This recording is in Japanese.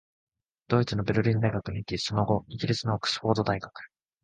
ドイツのベルリン大学に行き、その後、イギリスのオックスフォード大学、